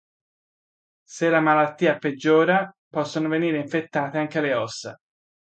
Se la malattia peggiora possono venire infettate anche le ossa.